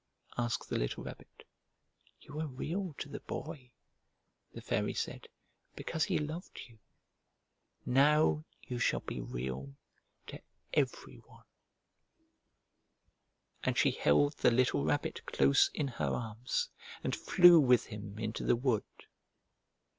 asked the little Rabbit. "You were Real to the Boy," the Fairy said, "because he loved you. Now you shall be Real to every one." The Fairy Flower And she held the little Rabbit close in her arms and flew with him into the wood.